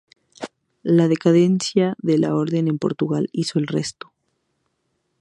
La decadencia de la Orden en Portugal hizo el resto.